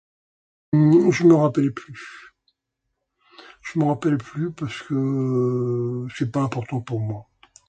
Je me rappelle plus, je me rappelle plus parce que ce n'est pas important pour moi.